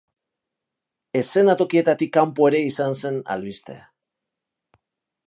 Eszenatokietatik kanpo ere izan zen albiste.